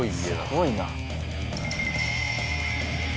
すごいな。